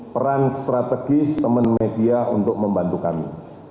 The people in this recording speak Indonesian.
peran strategis teman media untuk membantu kami